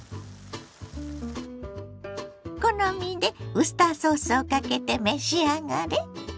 好みでウスターソースをかけて召し上がれ。